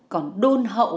còn đôn hậu